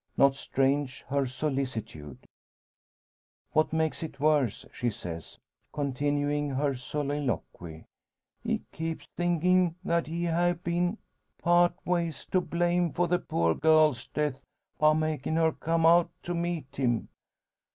Not strange her solicitude. "What make it worse," she says, continuing her soliloquy, "he keep thinkin' that he hae been partways to blame for the poor girl's death, by makin' her come out to meet him!"